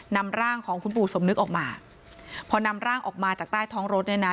นำร่างของคุณปู่สมนึกออกมาพอนำร่างออกมาจากใต้ท้องรถเนี่ยนะ